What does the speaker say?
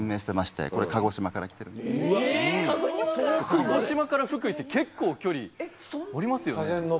鹿児島から福井って結構距離ありますよね。